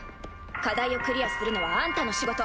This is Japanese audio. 課題をクリアするのはあんたの仕事。